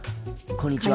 こんにちは。